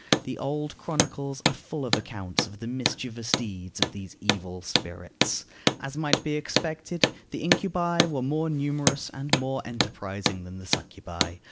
The old chronicles are full of accounts of the mischievous deeds of these evil spirits. As might be expected, the incubi were more numerous and more enterprising than the succubæ.